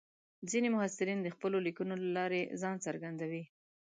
ځینې محصلین د خپلو لیکنو له لارې ځان څرګندوي.